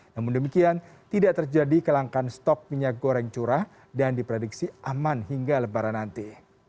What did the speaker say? namun demikian tidak terjadi kelangkan stok minyak goreng curah dan diprediksi aman hingga lebaran nanti